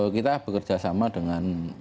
kita bekerja sama dengan